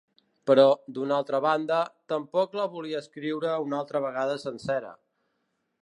Però, d'una altra banda, tampoc la volia escriure una altra vegada sencera.